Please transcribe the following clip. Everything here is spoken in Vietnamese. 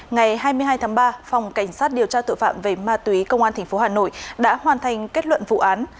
ngày hai mươi hai tháng ba phòng cảnh sát điều tra tội phạm về ma túy công an tp hà nội đã hoàn thành kết luận vụ án